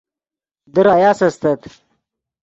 در آیاس استت